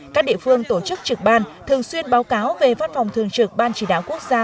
các địa phương tổ chức trực ban thường xuyên báo cáo về văn phòng thường trực ban chỉ đạo quốc gia